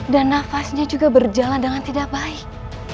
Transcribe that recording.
dan nafasnya juga berjalan dengan tidak baik